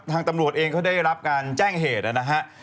ทางตำรวจเองเขาได้รับการแจ้งเหตุนะฮะ